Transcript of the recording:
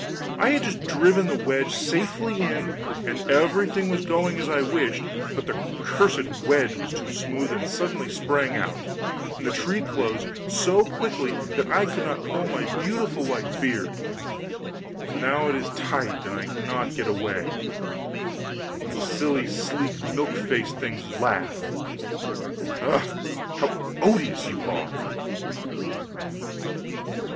I had just driven the wedge safely in, and everything was going as I wished; but the cursed wedge was too smooth and suddenly sprang out, and the tree closed so quickly that I could not pull out my beautiful white beard; so now it is tight and I cannot get away, and the silly, sleek, milk faced things laugh! Ugh! how odious you are!